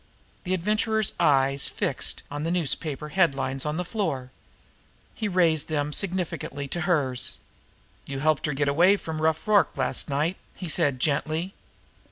The Adventurer's eyes were fixed on the newspaper headlines on the floor. He raised them now significantly to hers. "You helped her to get away from Rough Rorke last night," he said gently.